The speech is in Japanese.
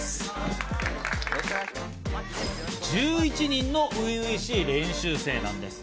１１人の初々しい練習生なんです。